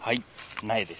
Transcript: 苗です。